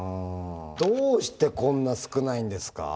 どうしてこんな少ないんですか？